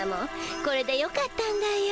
これでよかったんだよ。